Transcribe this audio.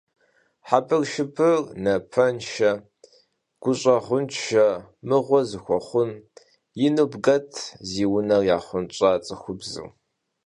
Хьэбыршыбыр, напэншэ, гущӏэгъуншэ, мыгъуэ зыхуэхъун! - ину бгэт зи унэр яхъунщӏа цӏыхубзыр.